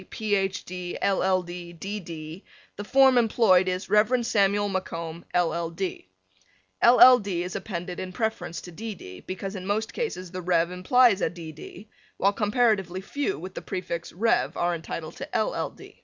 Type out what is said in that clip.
B. Sc., Ph. D., LL. D., D. D. the form employed is Rev. Samuel MacComb, LL. D. LL. D. is appended in preference to D. D. because in most cases the "Rev." implies a "D. D." while comparatively few with the prefix "Rev." are entitled to "LL.